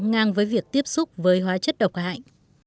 ngang với việc tiếp xúc với hóa chất độc hại